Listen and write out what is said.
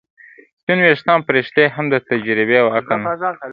سپین ويښتان په رښتیا هم د تجربې او عقل نښه ده.